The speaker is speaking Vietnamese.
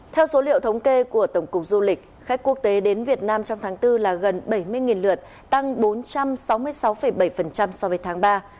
theo số liệu thống kê của tổng cục du lịch khách quốc tế đến việt nam trong tháng bốn là gần bảy mươi lượt tăng bốn trăm sáu mươi sáu bảy so với tháng ba